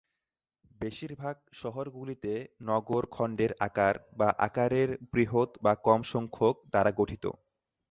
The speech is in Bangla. বেশিরভাগ শহরগুলিতে নগর খণ্ডের আকার বা আকারের বৃহৎ বা কম সংখ্যক দ্বারা গঠিত।